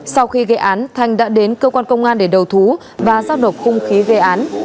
sau khi gây án thanh đã đến cơ quan công an để đầu thú và giao nộp hung khí gây án